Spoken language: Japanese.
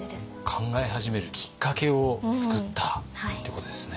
考え始めるきっかけを作ったってことですね。